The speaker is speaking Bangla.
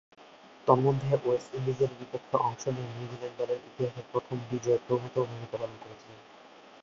তন্মধ্যে, ওয়েস্ট ইন্ডিজের বিপক্ষে অংশ নিয়ে নিউজিল্যান্ড দলের ইতিহাসের প্রথম বিজয়ে প্রভূতঃ ভূমিকা পালন করেছিলেন।